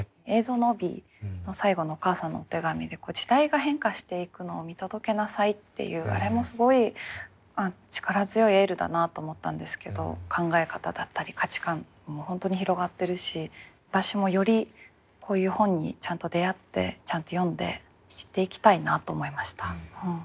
映像の帯の最後のお母さんのお手紙で「時代が変化していくのを見届けなさい」っていうあれもすごい力強いエールだなと思ったんですけど考え方だったり価値観も本当に広がってるし私もよりこういう本にちゃんと出会ってちゃんと読んで知っていきたいなと思いました。